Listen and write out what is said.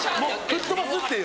吹っ飛ばすっていう。